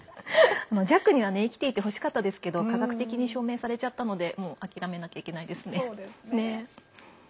ジャックには生きていてほしかったですけど科学的に証明されちゃったのでもう諦めなきゃいけないですね。